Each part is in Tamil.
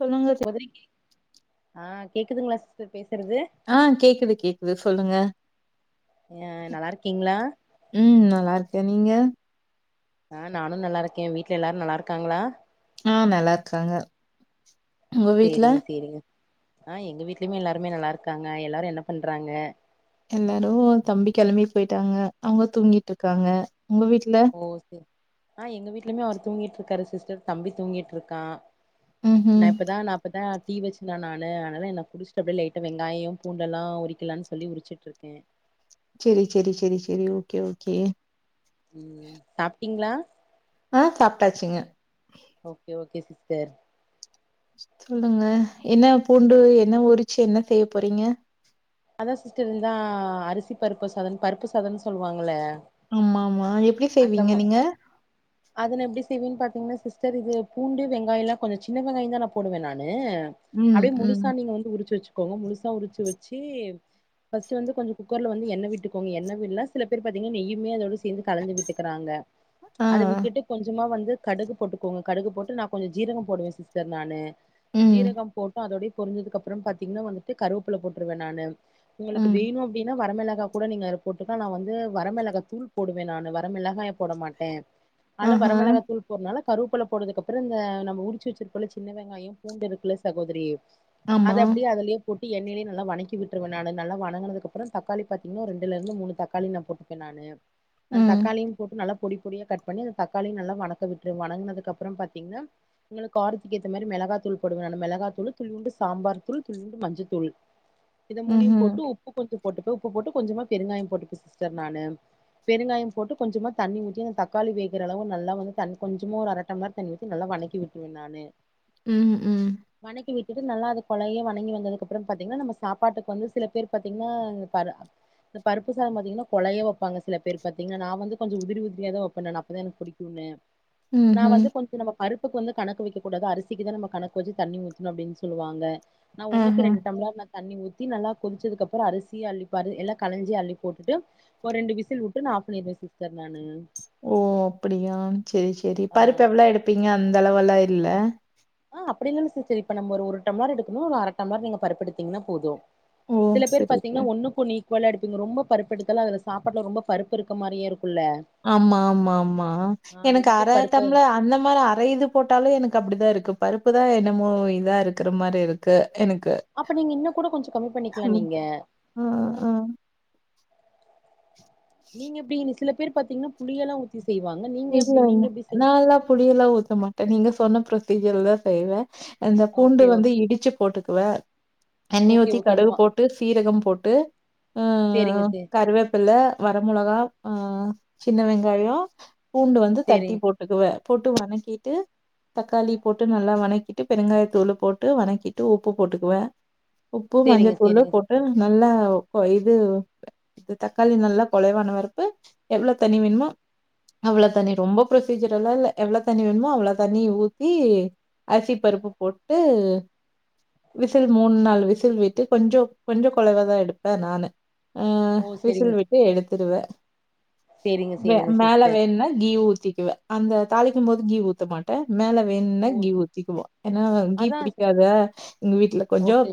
சொல்லுங்க சி ஆஹ் கேக்குதுங்களா சிஸ்டர் பேச ஆஹ் கேக்குது கேக்குது சொல்லுங்க அஹ் நல்லா இருக்கீங்களா ம் நல்லா இருக்கே நீங்க ஆஹ் நானு நல்லா இருக்கே வீட்ல எல்லாரு நல்லா இருக்காங்களா ஆஹ் நல்லா இருக்காங்க உங்க வீட்ல சேரிங்க சேரிங்க ஆஹ் எங்க வீட்லயுமே எல்லாருமே நல்லா இருக்காங்க எல்லாரு என்ன பண்றாங்க எல்லாரு தம்பி கெளம்பி போயிட்டாங்க அவுங்க தூங்கிட்டு இருக்காங்க உங்க வீட்ல ஆஹ் எங்க வீட்டுலயுமே அவர் தூங்கிட்டு இருக்காரு சிஸ்டர் தம்பி தூங்கிட்டு இருக்கா நா ம்ஹும் இப்பதா நா இப்பதா டீ வச்சிருந்த நானு அனால என்ன குடிச்ட்டு அப்டே லைட்டா வெங்காயோ பூண்டெல்லா உரிக்கலான்னு சொல்லி உரிச்சிட்டு இருக்கே சேரி சேரி சேரி சேரி ஓகே ஓகே உம் சாப்ட்டிங்களா ஆஹ் சாப்ட்டாச்சுங்க கே சிஸ்டர் சொல்லுங்க என்ன பூண்டு என்ன உரிச்சு என்ன செய்ய போறீங்க அதா சிஸ்டர் இந்தாஹ் அரிசி பருப்பு சாதோ பருப்பு சாதம்னு சொல்லுவாங்கல்ல ஆமா ஆமா எப்டி செய்வீங்க நீங்க சிவின் பாரத்தீங்னா சிஸ்டர் இது பூண்டு வெங்காயோல்லா கொஞ்சோ சின்ன வெங்காயந்தா நா போடுவே நானு அ ம் அப்டியே ம் முழுசா நீங்க வந்து உறிச்சு வச்சுக்கோங்க முழுசா உறிச்சு வச்சி ஃபஸ்ட்டு வந்து கொஞ்சோ குக்கர்ல வந்து எண்ணெ விட்டுக்கோங்க எண்ண விட்ல சில பேரு பாத்திங்க நெய்யுமே அதோட சேந்து கலந்து விட் டுக்கிறாங்க ஆ அத விட்டுட்டு கொஞ்சமா வந்து கடுகு போட்டுக்கோங்க கடுகு போட்டு நா கொஞ்சோ ஜீரகோ போடுவே சிஸ்டர் நானு ம் ஜீரகோ போட்டு அதோடையே பொரிஞ்சதுக்கப்றோ பாத்தீங்னா வந்துட்டு கருவேப்புல போட்ருவே நானு உங்குளுக்கு ம் வேணூ அப்டினா வர மெளக் கா கூட நீங்க போட்டுக்லா நா வந்து வர மெளகா தூள் போடுவே நானு வர மெளகாய போட மாட்டே ஆனா ஆஹா வரமிளகா தூள் போறனால கருவேப்பில போட்டதுக்கப்றோ இந்த நம்ம உறிச்சு வச்சிருக்கோல சின்ன வெங்காயோ பூண்டு இருக்குல சகோதரி ஆமா அது அப்டியே அதுலயே போட்டு எண்ணெய்லே நல்லா வணக்கி விட்ருவே நானு நல்லா வணங்குனதுக்கப்றோ தக்காளி பாத்தீங்னா ரெண்டுலருந்து மூணு தக்காளி நா போட்டுப்பே நானு அ ம் தக்காளியு போட்டு நல்லா பொடி பொடியா கட் பண்ணி அந்த தக்காளியு நல்லா வணக்க விட்ருவே வணங்குனதுக்கப்புறோ பாத்தீங்னா உங்குளுக் காரத்துக்கேத்த மாரி மிளகாத் தூள் போடுவே ந மெளகா தூள் துளியுண்டு சாம்பார் தூள் துளியுண்டு மஞ்சத் தூள் இத மூணியு ம்ஹும் போட்டு உப்பு கொஞ்சோ போட்டுப்பு உப்பு போட்டு கொஞ்சமா பெருங்காய்ம் போட்டுப்பே சிஸ்டர் நானு பெருங்காயம் போட்டு கொஞ்சமா தண்ணி ஊத்தி அந்த தக்காளி வேகுற அளவு நல்லா வந்து தண்ணி கொஞ்சமா ஒரு அர டம்ளர் தண்ணி ஊத்தி நல்லா வணக்கி விட்ருவே நானு ம் ம் கி விட்டுட்டு நல்லா அது கொழைய வணங்கி வந்ததுக்கப்புறம் பாத்தீங்னா நம்ம சாப்பாட்டுக்கு வந்து சில பேர் பாத்தீங்னா பாரு இந்த பருப்பு சாதோ பாத்தீங்னா கொழைய வெப்பாங்க சில பேர் பாத்தீங்னா நா வந்து கொஞ்சே உதிரி உதிரியா தா வெப்பே நானு அப்பதா எனக் புடிக்கும்னு நா ம்ஹும் வந்து கொஞ்சோ நமக் பருப்புக் வந்து கணக்கு வெக்ககூடாது அரிசிக்குதா நம்ம கணக்கு வச்சி தண்ணி ஊத்துணு அப்டின் சொல்லுவாங்க நா ஒன்னுக்கு ஆஹா ரெண்டு டம்ளர் ந தண்ணி ஊத்தி நல்லா கொதிச்சதுக்கப்புற அரிசி அள்ளி பரு எல்லா கலஞ்சி அள்ளி போட்டுட்டு ஒரு ரெண்டு விசில் வுட்டுட்டு நா ஆஃப் பண்ணிருவே சிஸ்டர் நானு ஓ அப்பிடியா செரி செரி ஆ பருப்பு எவ்ள எடுப்பீங்க அந்தளவுலா இல்ல அப்டில்லங்க சிஸ்டர் இப்ப நம்ம ஒரு ஒரு டம்ளர் எடுக்குமு ஒரு அர பருப்பு எடுத்தீங்னா போது ஓ சில பேர் சரி பாத்தீங்னா சரி ஒன்னுக்கு ஒன்னு ஈக்குவலா எடு நீங்க ரொம்ப பருப்பு எடுக்கல அதுல சாப்பாட்ல ரொம்ப பருப்பு இருக்க மாரியே இருக் ஆமா ஆமா ஆமா ஆ எனக்கு ரொம்ப அர பருப்பு டம்ள அந்த மாரி அர இது போட்டாலு எனக்கு அப்டிதா இருக்கு பருப்பு தா என்னமோ இதா இருக்கிற மாரி இருக்கு எனக்கு அப்ப நீங்க இன்னு கூட கொஞ்சோ கம்மி பண்ணிக்கலா நீங்க ஆ ஆ நீங்க எப்டி சில பேர் பாத்தீங்னா புளியெல்லா ஊத்தி செய்வாங்க நீங்க எப்டி இல்லங்க நீங்க எப்டி செய் நால்லா புளி எல்லா ஊத்த மாட்டே நீங்க சொன்ன ப்ரொசீஜர்லா செய்வே அந்த பூண்டு ஓகே வந்து இடிச்சி போட்டுக்குவே எண்ணி ஓகே ஊத்தி கடுகு கொஞ்சமா போட்டு சீரகம் போட் ட்டு ஆ சேரிங்க சே கருவேப்பில வர மொளகா சின்ன வெங்காயோ பூண்டு வந்து தட்டி சேரிங்க போட்டுக்குவே போட்டு வணக்கிட்டு தக்காளி போட்டு நல்லா வணக்கிட்டு பெருங்காயத்தூளு போட்டு வணக்கிட்டு உப்பு போட்டுக்குவே உப்பு சேரிங்க மஞ்சதூளு சேரிங்க போட்டு நல்லா ஓ இது இது தக்காளி நல்லா கொழைவான வரத்து எவ்ளோ தண்ணி வேணுமோ அவ்ளோ தண்ணி ரொம்ப ப்ரொசீஜர் எல்லா இல்ல எவ்ளவ தண்ணி வேணுமோ அவ்ள தண்ணிய ஊத்தி அரிசி பருப்பு போட்டு விசில் மூண் நால் விசில் விட்டு கொஞ்சோ கொஞ்சோ கொழைவாதா எடுப்பே நானு ஆ ஓ சேரிங்க விசில் விட்டு எடுத்துடுவே சேரிங்க வெ சேரிங்க மேல சிஸ்டர் வேண்னா கீ ஊத்திக்குவே அந்த தாளிக்குமோது கீ ஊத்த மாட்டே மேல வேண்னா ஓ கீ ஊத்திக்குவோ ஏனா கீ அதா பிடிக்காத எங்க வீட்ல கொஞ்சோ ஓகே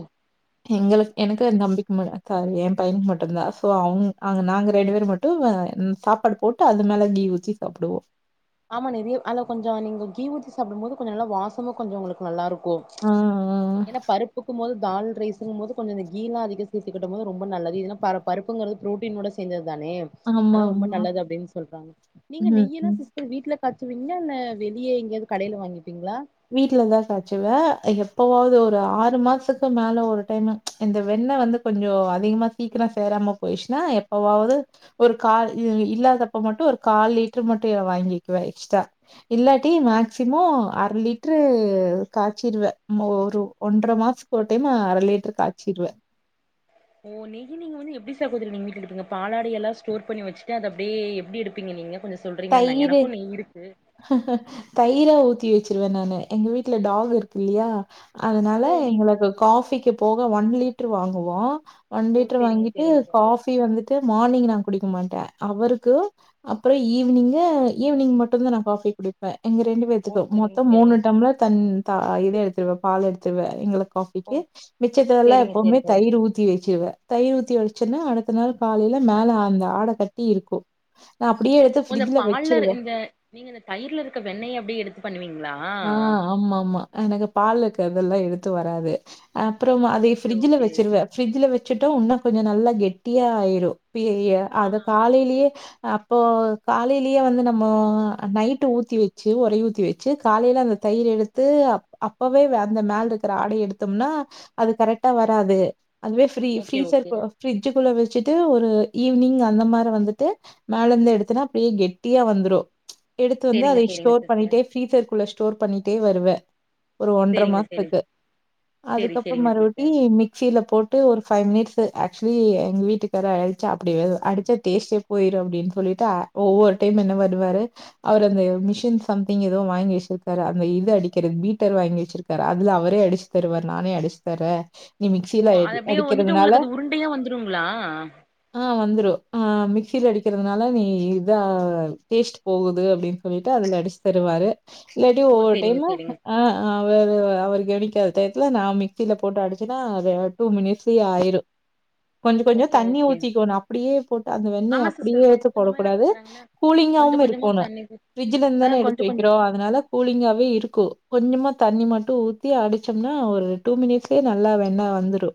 எங்களுக் எனக்கூ ஏந்தம்பிக்கு ம க ஏம்பையனுக் மட்டுந்தா சோ அவுங் அந் நாங்க ரெண்டு பேர் மட்டு வ சா சாப்பாடு போட்டு அது மேலே நீ ஊத்தி சாப்டுவோ ஆமா நெறய அத்ல கொஞ்ச நீங்க கீ ஊத்தி சாப்டும்போது கொஞ்ச நல்லா வாசமு கொஞ்சோ ஒங்களுக்கு நல்லா இருக்கூ கோ ஆ, ஆ. ஏன்னா பருப்புக்கும் போது தால் ரைஸ்சுங்கும் போது கொஞ்ச இந்த கீலா அதிக சேத்துங்கிடம்போது ரொம்ப நல்லது இதுல பருப்பு பருப்புங்கிறது ப்ரோடின்னோட சேர்ந்தது தானே ஆனா ரொம்ப ஆமாமா. நல்லது அப்டின் சொல்றாங்க நீங்க ம், நெய்யெல்லா ம். சிஸ் வீ்ட்ல காச்சுவீங்ளா இல்ல வெளியே எங்கயாது கடையில வாங்குவிங்களா வீட்லதா காச்சுவ எப் எப்பவாவ்து ஒரு ஆறு மாசத்துக்கு மேல ஒரு டைம்மு இந்த வெண்ணெ வந்து கொஞ்சோ அதிகமா சீக்ர சேரா ம போய்ச்சுன்னா எப்பவாவ்து ஒரு கால் இல்லாதப்ப மட்டு ஒரு கால் லிட்ரு மட்டு வாங்கி கிக்குவ எக்ஸ்ட்ரா இல்லாட்டி மேக்சிமோ அரலிட் ட்ரு காச்சிருவ மோ ஒரு ஒன்ற மாசத்துக்கு ஒரு டைம் அர லிட்ரு காய்ச்சிருவே ஓ நெய்ய நீங்க வந்து எப்டி சகோதரி நீங்க வீட்ல எடுப்பீங்க பாலாடை எல்லா ஸ்டோர் பண்ணி வச்சுட்டு அத அப்டியே எப்டி எடுப்பீங்க நீங்க கொஞ்ச சொல்றீங்ளா நா தயிரு எனக்கூ நெய் இருக்கு தயிரா ஊத்தி வச்சிருவே நானு எங்க வீட்ல டாகு இருக்கு இல்லியா அதனால ஓ நீ எங்ளுக்கு காஃபிக்கு போக ஒன் லிட்டர் வாங்குவோ ஒன் ஓ லிட்ரு சேரிங்க வாங்கிட்டு சேரிங்க சிஸ்டர் காஃபி வந்துட்டு மார்னிங் நாங் குடிக்க மாட்ட அவருக்கு அப்ற ஈவ்னிங்கு ஈவ்னிங் மட்டுதா நா காஃபி குடிப்ப எங்க ரெண்டு ஓ பேத்துக்கு சேரிங்க மொத்தம் மூணு சேரிங்க டம்ளர் தண் தா இது எடுத்துடுவ பால் எடுத்துடுவ எங்ளு ஓ காஃபிக்கு மிச்சத்தெல்லாம் சேரிங்க எப்பவுமே சேரிங்க தயிர் ஊத்தி வச்சிருவே தயிர் ஊத்தி வச்சன்னா அடுத்த நாள் காலையில மேல அந்த ஆட கட்டி இருக்கூ நா அப் ஒ அந்த பால்லரு இந்த நீங்க இந்த தயிர்ல இருக்க வெண்ணய அப்டியே எடுத்து பண்ணுவீங்ளா ஆ ஆமா ஆமா எனக்கு பாலுக்கு அதெல்லா எடுத்து வராது அப்றோம் அதய ஓகே ஃபிரிட்ஜ்ல ஓகே வச்சிருவ ஃபிரிட்ஜ்ல வச்சிட்டா உன்னு கொஞ்ச நல்லா கெட்டியாயிரு பியைய ஆ அத காலையிலயே அப்போ காலையிலயே வந்து நம்மோ நைட்டு ஊத்தி வச்சு ஒரை ஊத்தி வச்சு காலையில அந்த தயிர் எடுத்து அப்பவே வ அந்த மேல்ருக்கிற ஆடை எடுத்தம்னா அது கரெக்டா வ வராது அதுவே ஃப்ரீ ஓகே ஓகே ஃபீரீசர்கு பிரிட்ஜுக்குள்ள வச் வச்சுட்டு ஒரு ஈவ்னிங் அந்த மாரி வந்துட்டு மேலேந்து எடுத்தனா அப்டியே கெட்டியா வந்துடு எடுத்து வந்து சேரிங்க அதை சேரிங்க ஸ்டோர் சிஸ்டர் பண்ணிட்டே ஃப்ரீசர்க்குள்ள ஸ்டோர் பண்ணிட்டே வருவ ஒரு ஒன்ற சேரிங்க சேரி மாசத்துக்கு சேரி அதுக்கப்பறம் சேரிங்க மறுவட்டி சிஸ்டர் மிக்சில போட்டு ஒரு ஃபைவ் மினிட்ஸு ஆக்சுலி எங்க வீட்டுக்காரு அடிச்சா அப்டி வரு அடிச்சா டேஸ்டே போயிரு அப்டின் சொல்லிட்டு அ ஒவ்வொரு டைம் என்ன பண்ணுவாரு அவர் அந்த மிஷின் சம்திங் ஏதோ வாங்கிவச்ட்டு இருக்காரு அந்த இது அடிக்கிறது பீட்டர் வாங்கி வச்சிருக்காரு அதுல அவரே அடிச்சு தருவாரு நானே அடிச்சுத்தரேன் நீ ஓ மிக்சியில அது இது அப்டியே வந்துட்டு அடிக்கிறதுனால உங்களுக்கு அது உருண்டையா வந்துருங்களா ஆ வந்துரு ஆ மிக்சியில அடிக்கிறதுனால நீ இதான் டேஸ்ட் போகுது அப்டின் சொல்லிட்டு அதுல அடிச்சு தருவாரு இல்லாட்டி ஓ ஒவ்வொரு சேரிங்க டைமு சேரிங்க ஆ அவரு அவர்கு கவனிக்காது டைத்ல நா மிக்சில போட்டு அடிச்சன்னா அது டூ மினிட்ஸ்லயே ஆயிரு கொஞ்ச கொஞ்ச ஓகே தண்ணி ஓகே ஊத்திக்கோணு அப்டியே போட்டு அந்த வெண்ணய ஆமா அப்டியே சிஸ்டர் கொஞ்ச எடுத்து கொஞ்சமா என்ன போடக்கூடாது பண்றாங்கன்னா கூலி கொஞ்ச கொஞ்சமா தண்ணி ஊத் ஃபிரிஜ்ல இருந்துதான எடுத்து வைக்கிறோ அதனால கூலிங்காவே இருக்கூ கொஞ்சமா தண்ணி மட்டு ஊத்தி அடிச்சம்னா ஒரு டூ மினிட்ஸ்லே நல்லா வெண்ண அ வந்துரு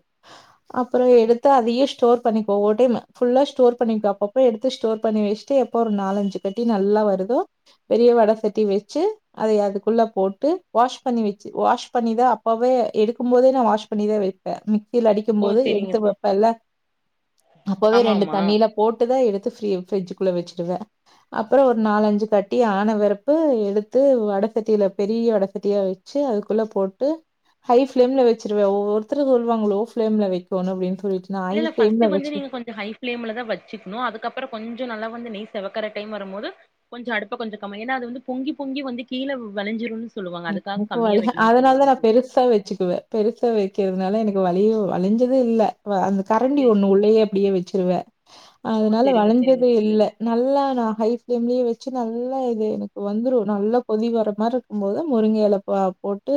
அப்பற எடுத்து அதையு ஸ்டோர் பண்ணிப்போ ஒரு டைம் ஃபுல்லா ஸ்டோர் பண்ணிப்போ அப்பப்ப எடுத்து ஸ்டோர் பண்ணி வச்ட்டு எப்போ ஒரு நாலு அஞ்சு கட்டி நல்லா வருதோ பெரிய வட சட்டி வெச் சு அதய அதுக்குள்ள போட்டு வாஸ் பண்ணி வச்சு வாஸ் பண்ணிதா அப்பவே எடுக்கும்போதே நா வாஸ்ப் பண்ணிதா வைப்பே கில அடிக்கும் ஓ போது சேரிங்க எடுத்து சிஸ் வப்பேல்ல அப்பவே ஆமா ரெண்டு ஆமா தண்ணியில போட்டுதா எடுத்து து ஃப்ரி பிரட்ஜுக்குள்ள வச்சிடுவ அப்பற ஒரு நாலு அஞ்சு கட்டி ஆனவரப்பு எடுத் து வட சட்டியில பெரிய வட சட்டியா வச்சு அதுக்குள்ள போட்டு ஹை ஃபிளேம்ல வச்சிருவ ஒவ்வொருத்தரு சொல்வாங்க லோ ஃபிளேம்ல வெக்கோணு அப்டின் இல்லல்ல ஃபஸ்ட் வந்து நீங்க கொஞ்ச ஹை ஃபிளேம்ல தா வச்சுக்ணூ அதுக்கப்பறோ கொஞ்சோ நல்லா வந்து நெய் செவக்கற டைம் வரும்போது கொஞ்சோ அடுப்ப கொஞ்சோ கம்மி ஏன்னா அது வந்து பொங்கி பொங்கி வந்து கீழ வளஞ்சுரும் ஓ அதனால தா நா பெருசா வச்சுக்குவே பெருசா வைக்கிறதுனால எனக்கு வளிய வளிஞ்சு இது இல்ல அந்த கரண்டி சேரி ஒண்ணு உள்ளயே அப்டியே வச்சிருவே ஓ அதனால சேரிங்க சேரிங்க வளஞ்சதே சிஸ்டர் இல்ல நல்லா நா ஹை ஃப்ளேம்லயே வ ச்சு நல்லா இது எனக்கு வந்துரும் நல்ல கொதி வர மாரி இருக்கும் போது முருங்க எலப் ப போட்டு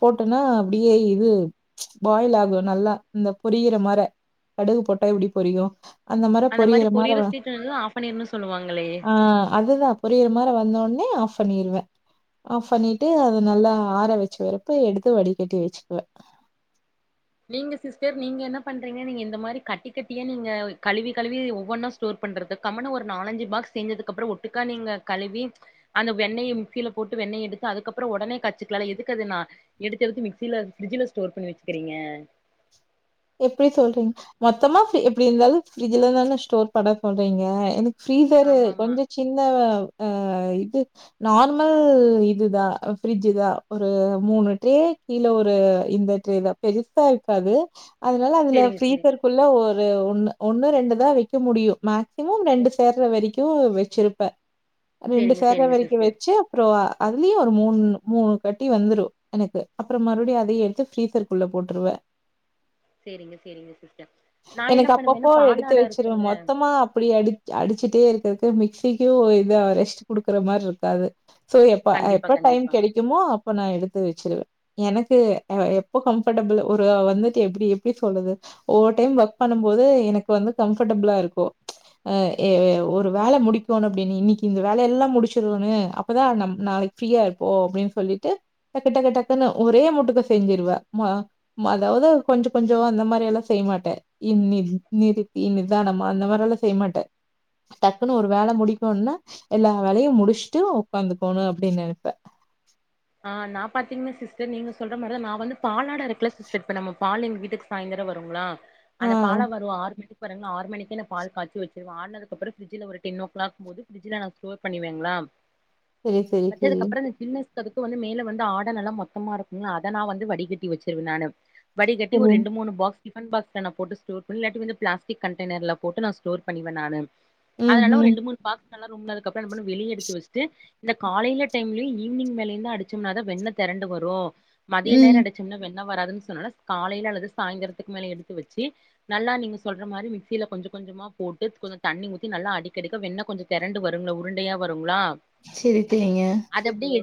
போட்டனா அப்டியே இது பாயில் ஆகு நல்லா இந்த பொரியிற மர கடுகு போட்டா எப்டி பொறியும் அந்த மாரி பொறியிர மார பொரியிற ஸ்வீட் ஆஃப் பண்ணிருன்னு சொல்லுவாங்களே ஆஹ் அதுதா பொறியிர மார வந்தோன்னே ஏ ஆஃப் பண்ணிருவே ஆஃப் பண்ணி ட்டு அத நல்லா ஆற வச்சு வர்ரப்ப எடுத்து வடிக்கட்டி வச்சுக்குவே நீங்க சிஸ்டர் நீங்க என்ன பண்றீங்க நீங்க இந்த மாரி கட்டி கட்டியா நீங்க கழுவி கழுவி ஒவ்வொன்னா ஸ்டோர் பண்றது கம்முனு ஒரு நாலஞ்சு பாக்ஸ் சேந்ததுக்கு அப்புறோ ஒட்டுக்கா நீங்க கழுவி அந்த வெண்ணய மிக்சில போட்டு வெண்ணய எடுத்து அதுக்கப்புறோ உடனே கச்சுக்கலால எதுக்கு நா எடுத்து மிக்சில ஃப்ரிட்ஜ்ல ஸ்டோர் பண்ணி வச்சுக்குறீங்க உம் எப்டி சொல்றீங்க மொத்தமா எப்டி இருந்தாலூம் ஃப்ரிட்ஜ்ல தான ஸ்டோர் பண்ண போறீங்க எனக் ஃப்ரீசரு ஆமா ஆமா கொஞ்சோ சின்ன அ இது நார்மல் இதுதா ஃப்ரிட்ஜ் தா ஒரு மூணு ட்ரே கீழ ஒரு இந்த ட்ரே தா பெருசா இருக்காது அதனால அதுல செரிங்க செரிங்க ஃப்ரீசருக்குள்ள ஒரு ஒன்னு ஒன்னு ரெண்டு தா வைக்க முடியும் மேக் சிமம் ரெண்டு ஓ சேர்ற வரைக்கும் வச்சிருப்பே ரெண்டு செரிங்க சேர்ற செரிங்க வரைக்கும் சிஸ்டர் வச்சு அப்றோ அதுலயும் ஒரு மூணு மூணு கட்டி வந்துரும் எனக்கு அப்புறோ மறுபடியும் அதையும் எடுத்து ஃப்ரீசர்க்குள்ள போட்டுருவேன் சேரிங்க சேரிங்க சிஸ்டர் நான என்ன எனக்கு பண்ணுவேனா அப்பப்போ எடுத்து பாலாடா வச்சிருவே இருக்குல்ல மொத்தமா அப்படி அடி அடிச்சுட்டே இருக்கிறதுக்கு மிக்சிக்கும் இதா ரெஸ்ட் குடுக்குற மாரி இருக்காது சோ எப்ப கண்டிப்பா எப்ப டைம் கண்டிப்பா கெடைக்குமோ அப்ப நா எடுத்து வச்சிருவே எனக்கு எ எப்போ கம்ஃபர்டபிள் ஒரு வந்துட்டு எப்புடி எப்டி சொல்றது ஒவ்வொர் டைம் ஒர்க் பண்ணும்போது எனக்கு வந்து கம்ஃபர்டபிளா இருக்கும் ஆ ஏ ஒரு வேல முடிக்கனு அப்டின்னு இன்னைக்கி இந்த வேல எல்லா முடிச்சிருன்னு அப்பதா நம் நா ஃப்ரீயா இருப்போ அப்டின் சொல்லிட்டு டக்டக் டக்குன்னு ஒரே முட்டுக்கு செஞ்சிருவே ம மா அதாவது கொஞ்சோ கொஞ்சோ அந்த மாரில்லா செய்யமாட்டே நி நிறுத்தி நிதானமா அந்த மாரில்லா செய்யமாட்டே டக்குன்னு ஒரு வேல முடிக்கணும்னா எல்லா வேலயும் முடிச்சுட்டு உக்காந்துக்கணு அப்டின்னு நினைப்பே ஆ நா பாத்தீங்கனா சிஸ்டர் நீங்க சொல்ற மாரிதா நா வந்து பாலாட இருக்குல சிஸ்டர் இப்ப நம்ம பால் எங்க வீட்டுக்கு சாயந்தரம் வருங்களா ஆ அந்த பால வரும் ஆறு மணிக்கு பாருங்க ஆறு மணிக்கு நா பால் காச்சி வச்சிருவே ஆருனதுக்கப்புறோ ஃப்ரிட்ஜ்ல ஒரு டென்னோக்ளாக் போது ஃப்ரிட்ஜ்ல நா ஸ்டோர் பண்ணுவேங்களா செரி செரி செரி வச்சதுக்கப்புறோ அந்த கின்னஸ் அப்போதிக்கு வந்து மேல வந்து ஆட நல்லா மொத்தமா இருக்கும்ல அத நா வந்து வடிகட்டி வச்சிருவே நானு வடிகட்டி ஒரு செரி ரெண்டு மூணு பாக்ஸ் டிஃபன் பாக்ஸ்ல நா போட்டு ஸ்டோர் பண் இல்லாட்டி வந்து பிளாஸ்டிக் கண்டேனர்ல போட்டு நா ஸ்டோர் பண்ணிருவே நானு அத ம் நல்லா ஒரு ம் ரெண்டு மூணு பாக்ஸ் [unintelligible] அப்ரோ வெளிய எடுத்து வச்சுட்டு இந்த காலைல டைம்லயு ஈவ் னிங் மேல அடிச்சோம்னாதா வெண்ண தெரண்டு வரும் மதிய நேரோ ம் அடிச்சோம்னா வெண் ண்ண வராதுன் சொல்லல காலைல அல்லது சாயந்தரத்துக்கு மேல எடுத்து வச்சு நல்லா நீங்க சொல்ற மாரி மிக்சில கொஞ்சோ கொஞ்சமா போட்டு கொஞ்சோ தண்ணி ஊத்தி நல்லா அடிக்கடிக்க வெண்ண கொஞ்சோ தெரண்டு வருங்ளா உருண்டையா வருங்ளா சேரி தோழிங்க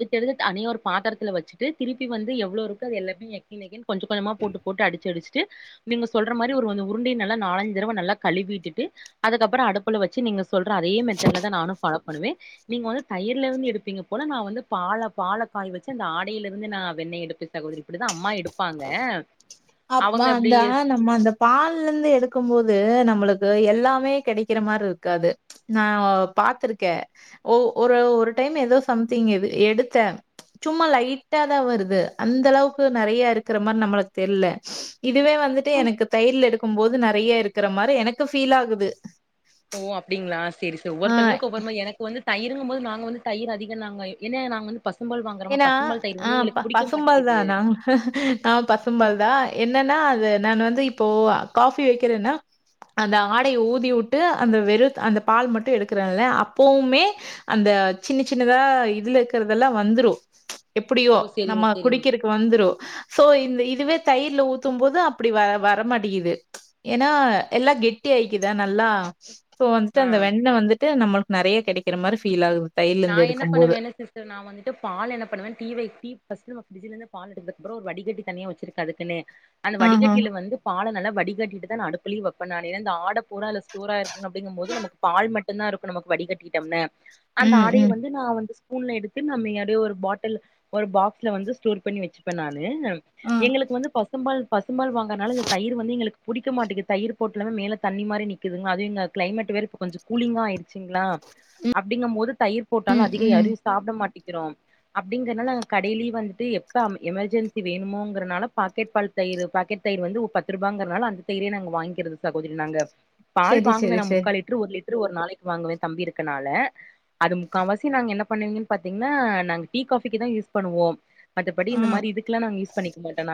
எடுத்து தனியா ஒரு பாத்துரத்துல வச்சுட்டு திருப்பி வந்து எவ்ளோ இருக்கோ எல்லாமே [unintelligible] கொஞ்ச கொஞ்சமா போட்டு போட்டு அடிச்சு அடிச்சு ச்சு நீங்க சொல்ற மாரி ஒரு உருண்டய நல்லா நாலஞ்சு தடவ நல்லா கழுவிட்டுட்டு அதுக்கப்புறோ அடுப்புல வச்சு நீங்க சொல்ற அதே மெத்தட்ல தான் நானும் ஃபாலோ பண்ணுவே நீங்க வந்து தயிர்ல இருந்து எடுப்பீங்க போல நா வந்து பால பால காய வெச்சி அந்த ஆடையில இருந்து நா வெண்ணெய எடுப்பே சகோதரி இப்படி தா அம்மா எ அப்ப மா அந்த நம்ம அந்த பால்ல இருந்து எடுக்கும் போது நம் நம்ளுக்கு எல்லாமே கெடைக்கிற மாரி இருக்காது நா பாத்திருக்கே ஒவ் ஒரு ஒரு டைம் ஏதோ சம்திங் இது எடுத்தே சும்மா லைட்டா தா வருது அந்த அளவுக்கு நெறைய இருக் க்குற மாரி நம்மளுக் தெரில இதுவே வந்துட்டு ஆ. எனக்கு தயிர்ல எடுக்கும் போது வந்து நெறைய இருக்குற மாரி எனக்கு ஃபீல் ஆகுது ஓ அப்டிங்களா சேரி சே ஆ ஒவ்வொருத்தவங்கக்கு ஒவ்வொரு மாரி எனக்கு வந்து தயிர் அப்டிங்கும் போது நாங்க வந்து தயிர் அதிகோ நாங்க எ ஏன்ன நாங்க வந்து பசும்பால் வாங்குறோமா ஏன்னா பசும்பால் தயிர் அ வந்து ப எங்களுக்கு புடிக்க பசும்பால் தா மாட்டேங்குது நா அ பசும்பால் தா என் என்னன்னா அது நானு வந்து இப்போ காஃபி வெக்கிறேன்னா அந்த ஆடைய ஊதி உட்டு அந்த வெறு அந்த பால் மட்டு எடுக்குறேன்ல அப்பவுமே அந்த அ சின்ன சின்னதா இதுல இருக்கறதெல்லா வந்துரு எப்படியோ ஓ நம்ம சேரிங்க சேரிங்க குடிக்கிறக்கு வந்துரும் சோ இந்த இதுவே தயிர்ல ஊத்தும் போது அப்டி வ வரமாட்டிகிது ஏன்னா எல்லா கெட்டி ஆயிக்கிதா நல்லா சோ வந்துட்டு ஆ அந்த வெண்ண வந்துட்டு நம்மளுக்கு நெறைய கெடைக்கிற மாரி ஃபீல் ஆகுது நா தையலருந்து என்ன எடுக்கும்போது. பண்ணுவேன்னா சிஸ்டர் நா வந்துட்டு பால் என்ன நா பண்ணுவே டீ வெக் டீ ஃபஸ்ட் ப்ரிட்ஜ்ல இருந்து பால் எடுத்ததுக்கு அப்றோ ஒரு வடிகட்டி தனியா வச்சிருக்கே அதுக்குன்னே அந்த ஆஹா. வடிகட்டில வந்து பால நல்லா வடிகட்டிட்டுதா நா அடுப்புலயே வெப்பே நானு ஏனா அந்த ஆட புரா அதுல ஸ்டோராயிருக் அப்டிங்கும்போது நமக்கு பால் மட்டும்தா இருக்குனும் நமக்கு வடி கட்டிடம்னே அந்த ம், ஆடைய ம். வந்து நா வந்து ஸ்பூன்ல எடுத்து நம்ம எதோ ஒரு பாட்டல் ஒரு பாக்ஸ்ல வந்து ஸ்டோர் பண்ணி வச்சுப்பே நானு னே நான் ஆ. எங்களுக்கு வந்து பசும்பால் பசும்பால் வாங்கறனால இந்த தயிர் வந்து எங்களுக்கு புடிக்க மாட்டிகிது தயிர் போட்டுலாமே மேல தண்ணி மாரி நிக்கிதுங்களா அது இங்க கிளைமேட் வேற இப்ப கொஞ்ச கூலிங்காக ஆயிருக் சிங்களா அப்டிங்க போது தயிர் போட்டாலு ம், அதிக ம். யாரு சாப்பட மாட்டிங்கிறோ அப்டிங்கறனால நாங்க கடையிலய வந்துட்டு எப்ப எமெர்ஜென்சி வேணுமோங்கறனால பாக்கெட் பால் தயிரு பாக்கெட் தயிர் வந்து ஒரு பத்து ரூபாங்கறனால அந்த தயிரே நாங்க வாங்கிறது சகோதரி நாங்க பால் சரி, வாங்குவே சரி, நான் சரி. முக்கால் லிட்ரு ஒரு லிட்ரு ஒரு நாளைக்கு வாங்குவே தம்பி இருக்கனால அது முக்காவாசி நாங்க என்ன பண்ணுவீங்கன்னு பாத்தீங்கன்னா நாங்க டீ காஃபிக்குதா யூஸ் பண்ணுவோம் மத்தபடி இந்த ஆ. மாரி இக்கெல்லா நாங்க யூஸ் பண்ணிக்க மாட்டம் நாங்